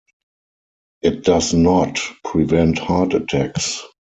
It does not prevent heart attacks.